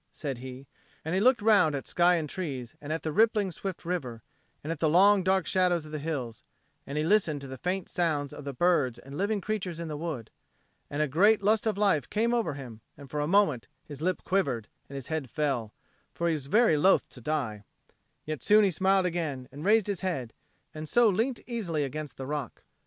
said he. And he looked round at sky and trees, and at the rippling swift river, and at the long dark shadows of the hills; and he listened to the faint sounds of the birds and living creatures in the wood. And a great lust of life came over him, and for a moment his lip quivered and his head fell; he was very loth to die. Yet soon he smiled again and raised his head, and so leant easily against the rock.